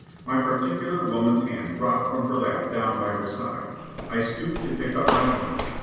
My particular woman's hand dropped from her lap down by her side. I stooped to pick up my bundle.